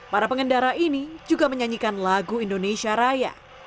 para pengendara ini juga menyanyikan lagu indonesia raya